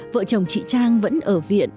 vợ chồng chị trang vẫn ở viện